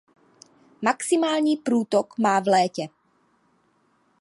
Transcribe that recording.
Maximální průtok má v létě.